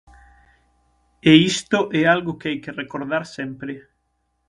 E isto é algo que hai que recordar sempre.